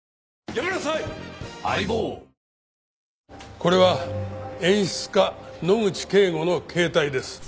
これは演出家野口啓吾の携帯です。